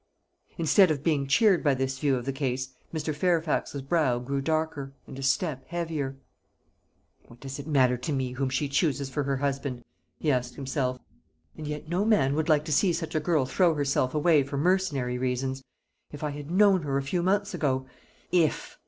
Instead of being cheered by this view of the case, Mr. Fairfax's brow grew darker, and his step heavier. "What does it matter to me whom she chooses for her husband?" he asked himself; "and yet no man would like to see such a girl throw herself away for mercenary reasons. If I had known her a few months ago! If!